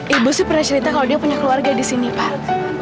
ibu sih pernah cerita kalau dia punya keluarga di sini pak